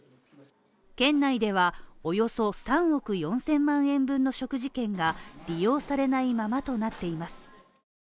県内ではおよそ３億４０００万円分の食事券が利用されないままとなっています